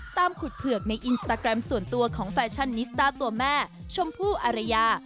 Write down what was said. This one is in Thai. ขุดเผือกในอินสตาแกรมส่วนตัวของแฟชั่นนิสต้าตัวแม่ชมพู่อารยา